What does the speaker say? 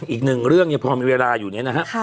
อีกหนึ่งเรื่องยังพอมีเวลาอยู่เนี่ยนะครับ